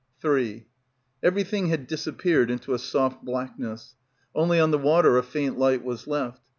3 Everything had disappeared into a soft black ness; only on the water a faint light was left.